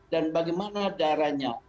dan bagaimana darahnya